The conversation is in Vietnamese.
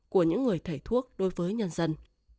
của những người thầy thuốc đối với nhân dân